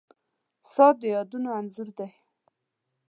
• ساعت د یادونو انځور دی.